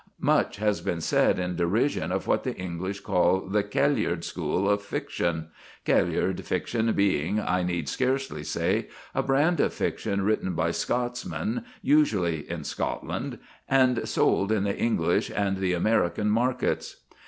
Much has been said in derision of what the English call the Kailyard school of fiction Kailyard fiction being, I need scarcely say, a brand of fiction written by Scotsmen usually in Scotland, and sold in the English and the American markets.